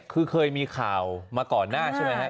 คือเคยมีข่าวมาก่อนหน้าใช่ไหมครับ